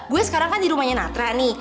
gue sekarang kan di rumahnya natra nih